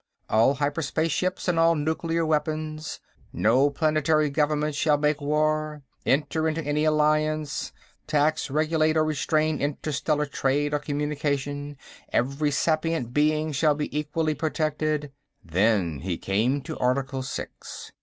All hyperspace ships, and all nuclear weapons.... No planetary government shall make war ... enter into any alliance ... tax, regulate or restrain interstellar trade or communication.... Every sapient being shall be equally protected.... Then he came to Article Six.